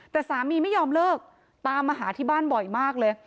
แต่สามีไม่ยอมเลิกตามมาหาที่บ้านบ่อยมากเลย